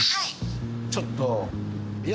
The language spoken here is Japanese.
ちょっと。